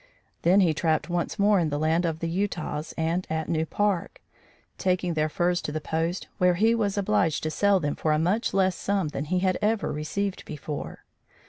Then he trapped once more in the land of the Utahs and at New Park, taking their furs to the post where he was obliged to sell them for a much less sum than he had ever received before.